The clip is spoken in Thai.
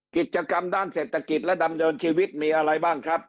กิจกรรมด้านเศรษฐกิจและดำเนินชีวิตมีอะไรบ้างครับ